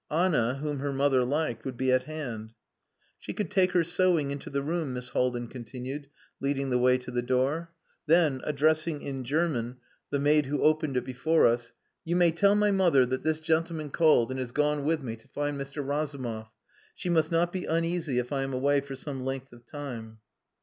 Anna, whom her mother liked, would be at hand. "She could take her sewing into the room," Miss Haldin continued, leading the way to the door. Then, addressing in German the maid who opened it before us, "You may tell my mother that this gentleman called and is gone with me to find Mr. Razumov. She must not be uneasy if I am away for some length of time."